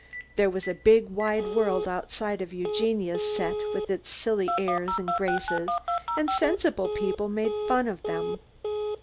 There was a big wide world outside of Eugenia's set with its silly airs and graces, and sensible people made fun of them.